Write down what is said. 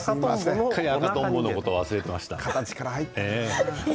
すっかり赤とんぼのことを忘れていました。